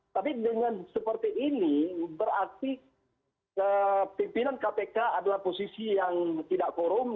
tapi dengan seperti ini berarti pimpinan kpk adalah posisi yang tidak korum